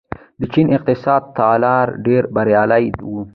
د چین اقتصادي تګلاره ډېره بریالۍ وه.